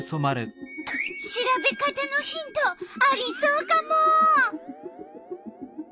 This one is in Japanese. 調べ方のヒントありそうカモ！